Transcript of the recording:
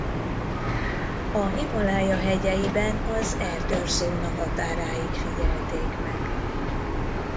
A Himalája hegyeiben az erdős zóna határáig figyelték meg.